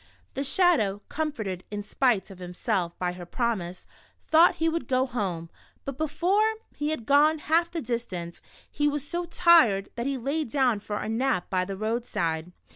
The Shadow, comforted, in spite of himself, by her promise, thought he would go home, but before he had gone half the distance, he was so tired that he lay down for a nap by the roadside.